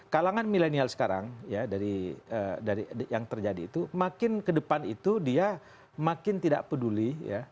kalangan milenial sekarang ya dari yang terjadi itu makin ke depan itu dia makin tidak peduli